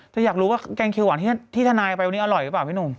อยากรู้ว่าแกงเขียวหวานที่ทนายไปวันนี้อร่อยหรือเปล่าพี่หนุ่ม